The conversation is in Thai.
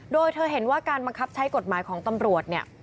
โดยเธอเห็นว่าการบังคับใช้กฎหมายของตำรวจเนี่ย